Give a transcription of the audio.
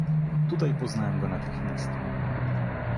"Tutaj poznałem go natychmiast."